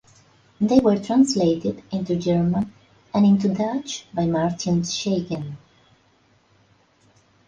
They were translated into German, and into Dutch by Marten Schagen.